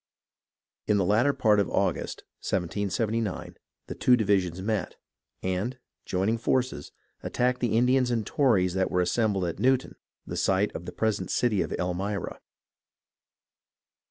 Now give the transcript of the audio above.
In the latter part of August, 1779, the two divisions met, and, joining forces, attacked the Indians and the Tories that were assembled at Newtown, the site of the present city of Elmira.